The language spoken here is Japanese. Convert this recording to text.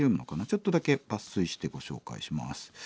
ちょっとだけ抜粋してご紹介します。